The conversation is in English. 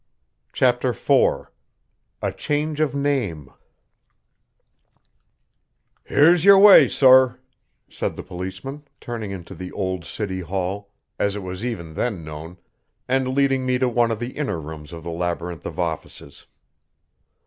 CHAPTER IV A CHANGE OF NAME "Here's your way, sor," said the policeman, turning into the old City Hall, as it was even then known, and leading me to one of the inner rooms of the labyrinth of offices.